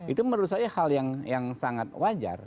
itu menurut saya hal yang sangat wajar